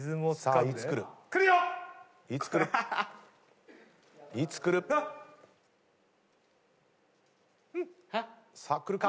さあ来るか？